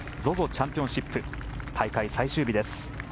チャンピオンシップ大会最終日です。